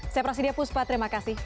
saya prasidya puspa terima kasih